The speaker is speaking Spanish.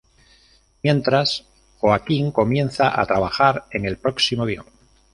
Mientras, Joaquín comienza a trabajar en el próximo guion.